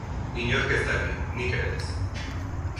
Inork ez daki, nik ere ez.